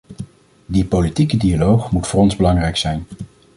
Die politieke dialoog moet voor ons belangrijk zijn.